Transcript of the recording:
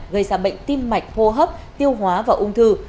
gây ra bệnh tim mạch hô hấp tiêu hóa và ung thư